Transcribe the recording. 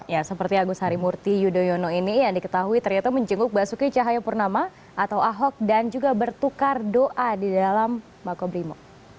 ya seperti agus harimurti yudhoyono ini yang diketahui ternyata menjenguk basuki cahayapurnama atau ahok dan juga bertukar doa di dalam makobrimo